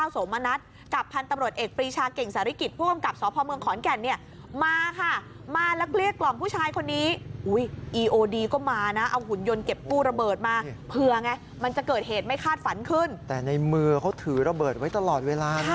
โสมณัสกับพันตำรวจเอกฝีชาเก่งซาริกิจครองกรรมกับสอบพอมเมืองขอนแก่เนี้ย